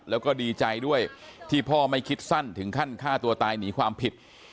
แล้วก็ดีใจด้วยที่พ่อไม่คิดสั้นถึงขั้นฆ่าตัวตายหนีความผิด